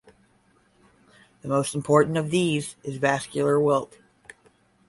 The most important of these is vascular wilt.